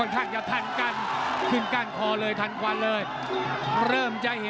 นี่นี่นี่นี่นี่นี่นี่นี่นี่